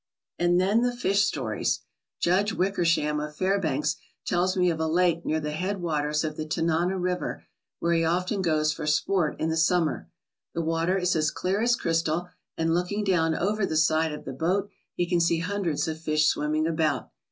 And then the fish stories! Judge Wickersham of Fair banks tells me of a lake near the headwaters of the Tanana River where he often goes for sport in the summer. The water is as clear as crystal, and looking down over the side of the boat he can see hundreds of fish swimming about.